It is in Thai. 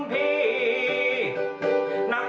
เจ็บทุกท่อน